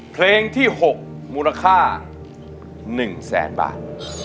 เพลงที่๖มูลค่า๑แสนบาท